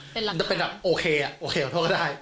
จะเป็นแบบโอเคอ่ะโอเคขอโทษก็ได้